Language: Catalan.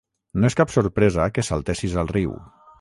No és cap sorpresa que saltessis al riu.